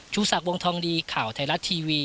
สักวงทองดีข่าวไทยรัฐทีวี